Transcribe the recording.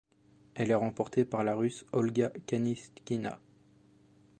Elle est remportée par la Russe Olga Kaniskina.